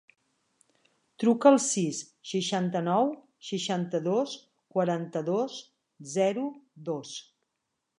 Truca al sis, seixanta-nou, seixanta-dos, quaranta-dos, zero, dos.